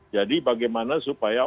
jadi bagaimana supaya